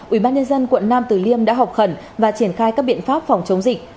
ubnd quận nam từ liêm đã học khẩn và triển khai các biện pháp phòng chống dịch